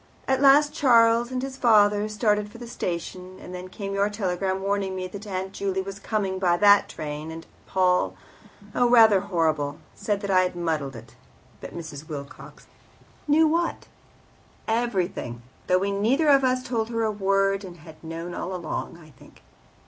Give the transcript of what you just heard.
At last Charles and his father started for the station, and then came your telegram warning me that Aunt Juley was coming by that train, and Paul oh, rather horrible said that I had muddled it. But Mrs. Wilcox knew." "Knew what?" "Everything; though we neither of us told her a word, and had known all along, I think."